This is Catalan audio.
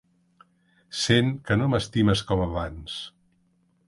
Sent que no m'estimes com abans.